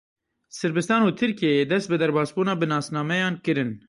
Sirbistan û Tirkiyeyê dest bi derbasbûna bi nasnameyan kirin.